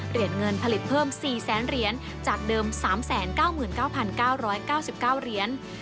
เหรียญเงินผลิตเพิ่ม๔แสนเหรียญจากเดิม๓๙๙๙๙๙๙เหรียญ